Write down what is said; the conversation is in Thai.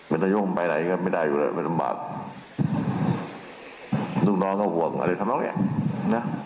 เป็นนายกไปไหนก็ไม่ได้อยู่แล้วมันลำบากลูกน้องก็ห่วงอะไรทำน้องเนี้ยนะ